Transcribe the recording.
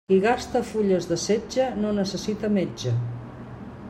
Qui gasta fulles de setge no necessita metge.